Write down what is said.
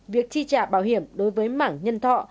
việc chi trả bảo hiểm đối với mảng nhân thọ